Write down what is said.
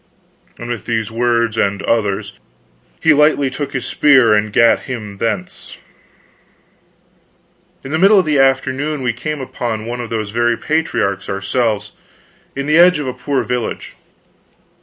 And with these words and others, he lightly took his spear and gat him thence. In the middle of the afternoon we came upon one of those very patriarchs ourselves, in the edge of a poor village.